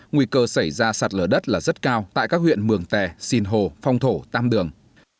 nguy cơ xảy ra sạt lở đất là rất cao tại các huyện mường tè sinh hồ phong thổ tam đường